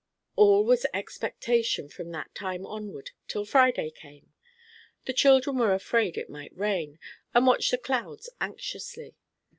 All was expectation from that time onward till Friday came. The children were afraid it might rain, and watched the clouds anxiously.